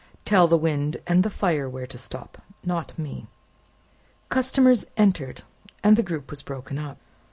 "Tell the Wind and the Fire where to stop; not me!" Customers entered, and the group was broken up.